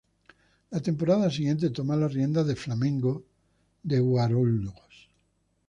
La temporada siguiente toma las riendas de Flamengo de Guarulhos.